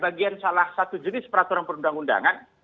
bagian salah satu jenis peraturan perundang undangan